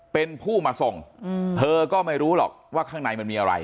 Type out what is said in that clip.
เป็นผู้มาส่งเธอก็ไม่รู้หรอกว่าข้างในมันมีอะไร